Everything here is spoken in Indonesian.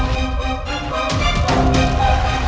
di depanku manis manis